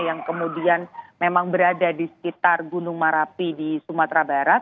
yang kemudian memang berada di sekitar gunung marapi di sumatera barat